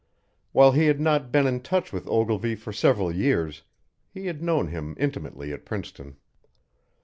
While he had not been in touch with Ogilvy for several years, he had known him intimately at Princeton.